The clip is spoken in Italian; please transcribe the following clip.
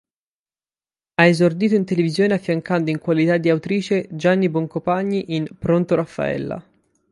Ha esordito in televisione affiancando in qualità di autrice Gianni Boncompagni in "Pronto, Raffaella?